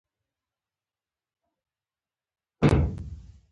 تر هغې چې ساه یې په بدن کې وي.